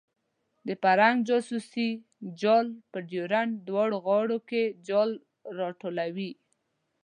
د فرنګ جاسوسي جال په ډیورنډ په دواړو غاړو کې جال راټولوي.